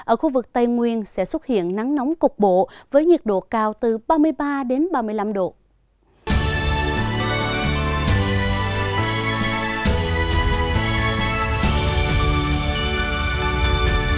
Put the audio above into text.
ở khu vực tây nguyên sẽ xuất hiện nắng nóng cục bộ với nhiệt độ cao từ ba mươi ba đến ba mươi năm độ